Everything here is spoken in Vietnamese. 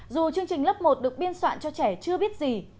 dù chương trình lớp một được biên soạn cho trẻ chưa biết gì